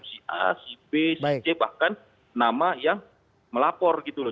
si a si b si c bahkan nama yang melapor gitu loh